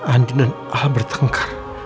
andi dan al bertengkar